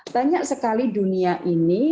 banyak sekali dunia ini